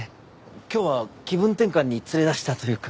今日は気分転換に連れ出したというか。